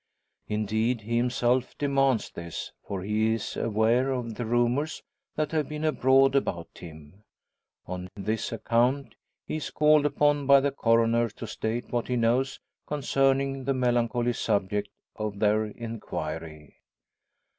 Indeed, he himself demands this, for he is aware of the rumours that have been abroad about him. On this account he is called upon by the Coroner to state what he knows concerning the melancholy subject of their enquiry.